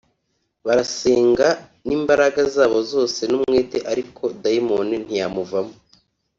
barasenga n’imbaraga zabo zose n’umwete ariko dayimoni ntiyamuvamo